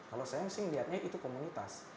kalau saya sih melihatnya itu komunitas